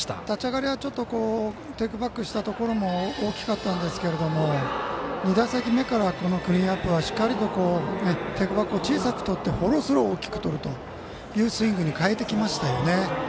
立ち上がりはテイクバックしたところ大きかったんですけれども２打席目からクリーンナップは、しっかりとテイクバックを小さくとってフォロースルーを大きくとるスイングに変えてきましたよね。